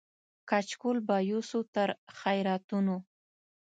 کچکول به یوسو تر خیراتونو